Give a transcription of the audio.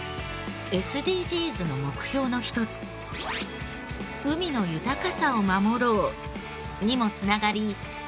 ＳＤＧｓの目標の一つ「海の豊かさを守ろう」にも繋がり。